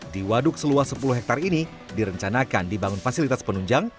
di waduk seluas sepuluh hektare ini direncanakan dibangun fasilitas penunjang